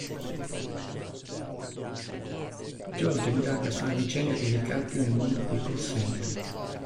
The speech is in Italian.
Giorgia indaga su una vicenda di ricatti nel mondo dei call center.